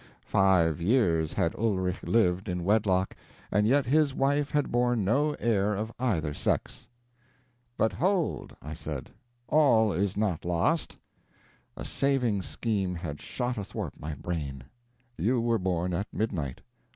Five years had Ulrich lived in wedlock, and yet his wife had borne no heir of either sex. "'But hold,' I said, 'all is not lost.' A saving scheme had shot athwart my brain. You were born at midnight.